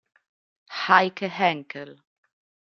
Heike Henkel